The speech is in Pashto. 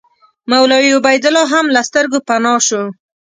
مولوي عبیدالله هم له سترګو پناه شو.